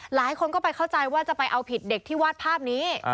หลายคนก็ไปเข้าใจว่าจะไปเอาผิดเด็กที่วาดภาพนี้